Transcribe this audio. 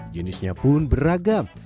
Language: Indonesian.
jenisnya pun beragam